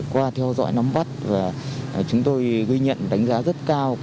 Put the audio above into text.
qua theo dõi nắm bắt và chúng tôi ghi nhận đánh giá rất cao